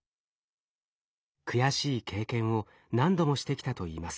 悔しい経験を何度もしてきたといいます。